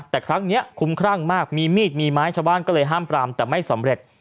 แต่ครั้งนี้คุ้มครั่งมากมีมีดมีไม้ชาวบ้านก็เลยห้ามปรามแต่ไม่สำเร็จ